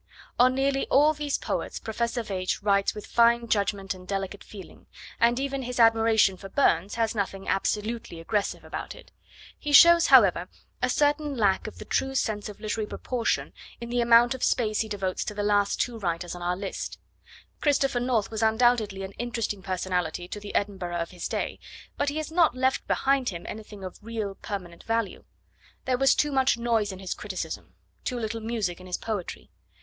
On nearly all these poets Professor Veitch writes with fine judgment and delicate feeling, and even his admiration for Burns has nothing absolutely aggressive about it. He shows, however, a certain lack of the true sense of literary proportion in the amount of space he devotes to the two last writers on our list. Christopher North was undoubtedly an interesting personality to the Edinburgh of his day, but he has not left behind him anything of real permanent value. There was too much noise in his criticism, too little music in his poetry.